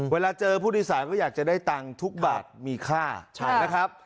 เวลาเจอผู้โดยสารก็อยากจะได้ตังค์ทุกบาทมีค่านะครับ